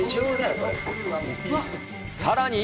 さらに。